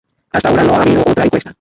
Hasta ahora no ha habido otra encuesta.